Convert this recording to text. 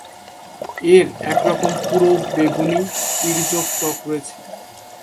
এর একরকম পুরো, বেগুনি, তীক্ষ্ণ ত্বক রয়েছে।